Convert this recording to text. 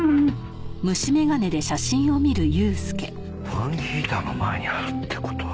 ファンヒーターの前にあるって事は。